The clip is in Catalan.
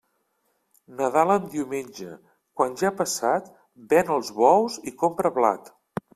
Nadal en diumenge, quan ja ha passat, ven els bous i compra blat.